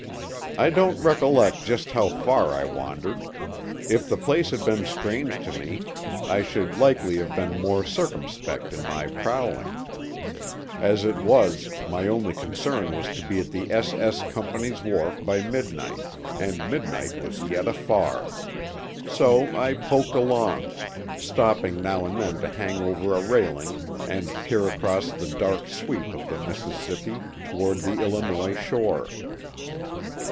I don't recollect just how far I wandered. If the place had been strange to me I should likely have been more circumspect in my prowling. As it was, my only concern was to be at the S.S. Company's wharf by midnight, and midnight was yet afar. So I poked along, stopping now and then to hang over a railing and peer across the dark sweep of the Mississippi toward the Illinois shore.